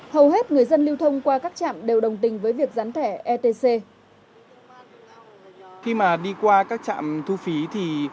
hầu hết người dân lưu thông qua các trạm thu phí